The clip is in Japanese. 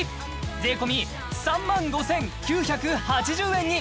税込３５９８０円に！